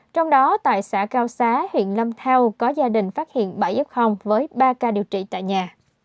trong đó tại xã cao xá huyện lâm thao có gia đình phát hiện bảy f với ba ca điều trị tại nhà